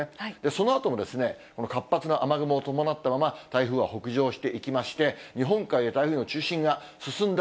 そのあともこの活発な雨雲を伴ったまま、台風は北上していきまして、日本海へ台風の中心が進んだ